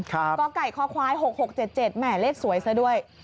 กไก่คควาย๖๖๗๗แหม่เลขสวยซะด้วย